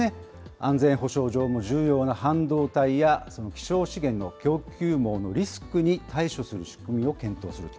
安全保障上の重要な半導体やその希少資源の供給網のリスクに対処する仕組みを検討すると。